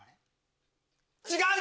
違う！